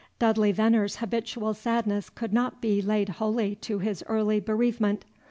Dudley Venner's habitual sadness could not be laid wholly to his early bereavement.